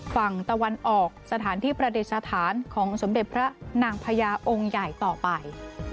ฝั่งตะวันออกสถานที่ประดิษฐานของสมเด็จพระนางพญาองค์ใหญ่ต่อไป